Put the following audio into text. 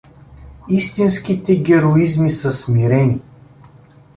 Истинските героизми са смирени.